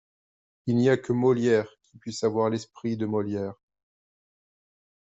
Il n’y a que Molière qui puisse avoir l’esprit de Molière.